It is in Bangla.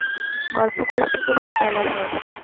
গল্প করিতে করিতে বেলা যায়।